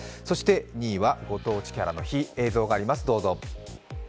２位はご当地キャラの日、映像があります。